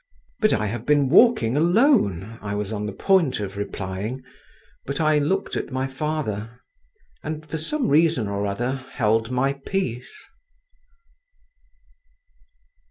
"But I have been walking alone," I was on the point of replying, but I looked at my father, and for some reason or other held my peace.